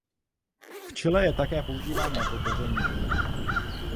V Chile je také používán jako koření.